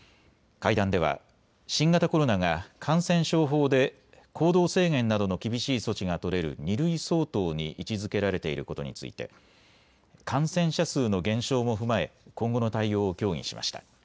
会談では新型コロナが感染症法で行動制限などの厳しい措置が取れる２類相当に位置づけられていることについて感染者数の減少も踏まえ今後の対応を協議しました。